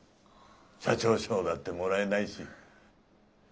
社長賞だってもらえないし。